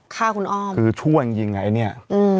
ฆ่าคุณอ้อมคือชั่วจริงจริงไอ้เนี่ย